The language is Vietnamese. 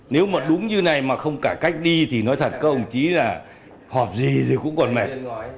nếu mà đúng như này mà không cả cách đi thì nói thật các ông chí là họp gì thì cũng còn mệt